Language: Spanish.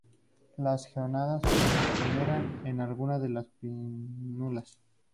Las gónadas se generan en algunas de las pínnulas.